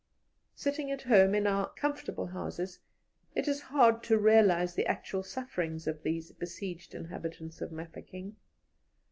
"Sitting at home in our comfortable houses, it is hard to realize the actual sufferings of these besieged inhabitants of Mafeking.